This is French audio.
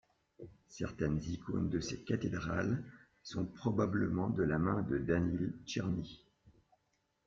Certaines icônes de ces cathédrales sont probablement de la main de Daniil Tcherny.